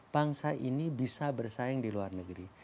bangsa ini bisa bersaing di luar negeri